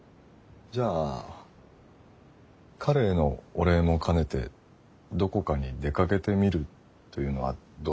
じゃあ彼へのお礼も兼ねてどこかに出かけてみるというのはどうですか？